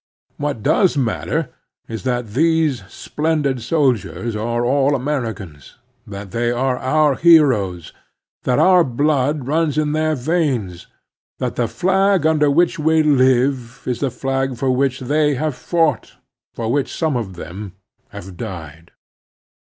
What does matter is that these splendid soldiers are all Americans ; that they are our heroes ; that A Political Factor 69 our blood runs in their veins ; that the flag under 1 which we live is the flag for which they have / fought, for which some of them have died.